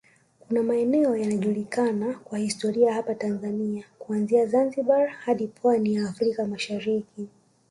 Kuna maeneo yanajulikana kwa historia hapa Tanzania kuanzia Zanzibar hadi pwani ya Afrka Mashariki